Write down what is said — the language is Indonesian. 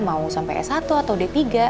mau sampai s satu atau d tiga